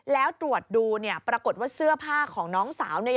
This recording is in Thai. แล้วตรวจดูเนี่ยปรากฏว่าเสื้อผ้าของน้องสาวเนี่ย